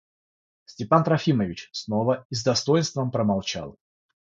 Степан Трофимович снова и с достоинством промолчал.